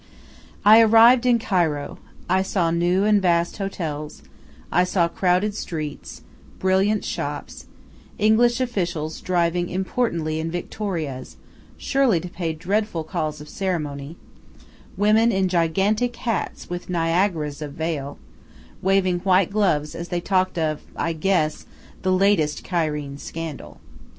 I arrived in Cairo. I saw new and vast hotels; I saw crowded streets; brilliant shops; English officials driving importantly in victorias, surely to pay dreadful calls of ceremony; women in gigantic hats, with Niagaras of veil, waving white gloves as they talked of I guess the latest Cairene scandal.